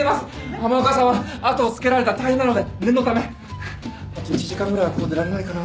浜岡さんは後をつけられたら大変なので念のためあと１時間ぐらいはここ出られないかな。